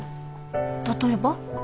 例えば？